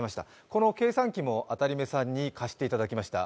この計算機もあたりめさんに貸していただきました。